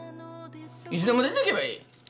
いつでも出てけばいい。